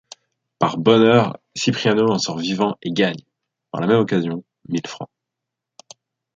Par bonheur, Cipriano en sort vivant et gagne, par la même occasion, mille francs.